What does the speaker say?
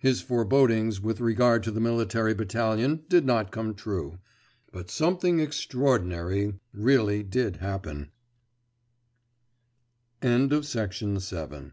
His forebodings with regard to the military battalion did not come true; but something extraordinary really did